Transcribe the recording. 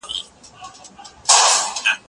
زه کولای سم شګه پاک کړم